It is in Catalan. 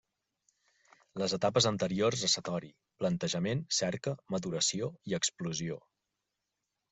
Les etapes anteriors a satori: plantejament, cerca, maduració i explosió.